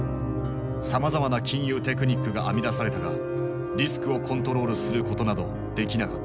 さまざまな金融テクニックが編み出されたがリスクをコントロールすることなどできなかった。